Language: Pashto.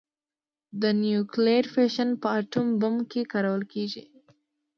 د نیوکلیر فیشن په اټوم بم کې کارول کېږي.